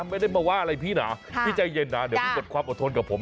ไม่ได้มาว่าอะไรพี่นะพี่ใจเย็นนะเดี๋ยวพี่หมดความอดทนกับผม